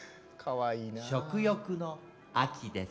食欲の秋です。